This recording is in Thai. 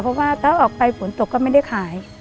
เพราะว่าถ้าออกไปฝนตกก็ไม่ได้ขาย